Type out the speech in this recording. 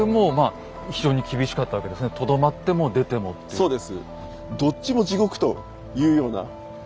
そうです。